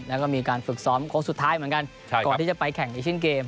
แล้วก็มีการฝึกซ้อมโค้งสุดท้ายเหมือนกันก่อนที่จะไปแข่งเอเชียนเกม